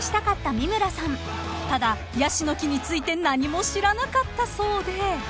［ただヤシの木について何も知らなかったそうで］